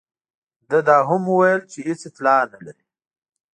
ده دا هم وویل چې هېڅ اطلاع نه لري.